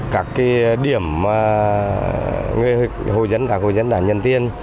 các điểm mà người hội dân các hội dân đã nhân tiên